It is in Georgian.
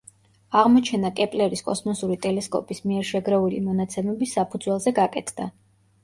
აღმოჩენა კეპლერის კოსმოსური ტელესკოპის მიერ შეგროვილი მონაცემების საფუძველზე გაკეთდა.